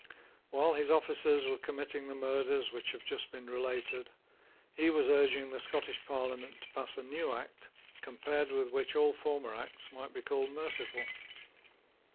While his officers were committing the murders which have just been related, he was urging the Scottish Parliament to pass a new Act compared with which all former Acts might be called merciful.